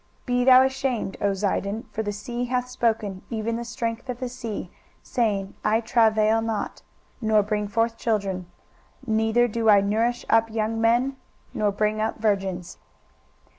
23:023:004 Be thou ashamed, O Zidon: for the sea hath spoken, even the strength of the sea, saying, I travail not, nor bring forth children, neither do I nourish up young men, nor bring up virgins.